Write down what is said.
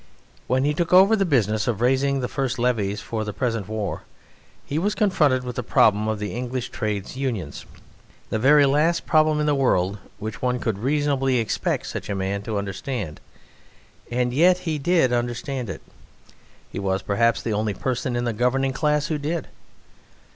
When he took over the business of raising the first levies for the present war he was confronted with the problem of the English Trades Unions the very last problem in the world which one could reasonably expect such a man to understand. And yet he did understand it; he was perhaps the only person in the governing class who did.